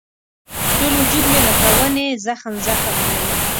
ټول وجود مې لکه ونې زخم زخم دی.